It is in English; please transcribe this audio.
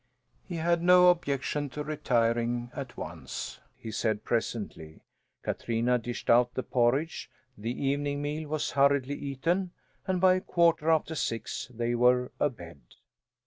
He had no objection to retiring at once, he said presently. Katrina dished out the porridge, the evening meal was hurridly eaten, and by a quarter after six they were abed.